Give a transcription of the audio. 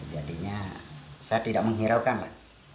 jadinya saya tidak menghiraukan lah